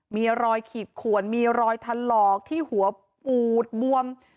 มีรอยขีดขวนมีรอยถลอกที่หัวปูดบวม